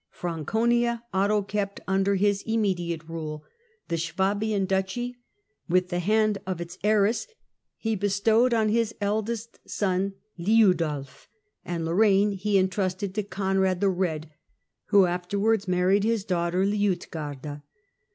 Franconia I^Dtto kept under his immediate rule ; the Swabian duchy, ^Bth the hand of its heiress, he bestowed on his eldest son Liudolf, and Lorraine he entrusted to Conrad the Eed, L^^ho afterwards married his daughter Liutgarde.